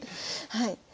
はい。